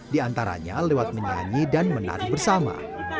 di antaranya lewat menyanyi dan menari bersama